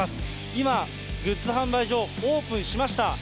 今、グッズ販売所、オープンしました。